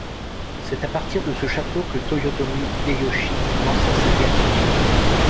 C'est à partir de ce château que Toyotomi Hideyoshi lança sa guerre Imjin.